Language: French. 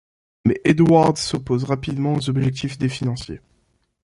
Mais Edwards s'oppose rapidement aux objectifs des financiers.